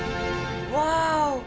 ワーオ！